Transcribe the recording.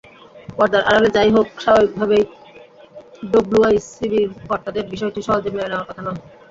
পর্দার আড়ালে যা-ই হোক, স্বাভাবিকভাবেই ডব্লুআইসিবির কর্তাদের বিষয়টি সহজে মেনে নেওয়ার কথা নয়।